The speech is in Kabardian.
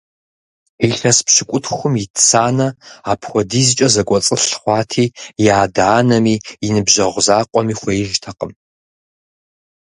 Илъэс пщыкӏутхум ит Санэ апхуэдизкӀэ зэкӀуэцӀылъ хъуати, и адэ-анэми, и ныбжьэгъу закъуэми хуеижтэкъым.